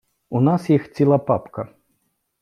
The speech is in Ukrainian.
У нас їх ціла папка.